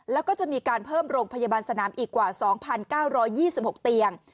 แล้วก็จะมีการเพิ่มโรงพยาบาลสนามอีกกว่า๒๙๒๖เตียง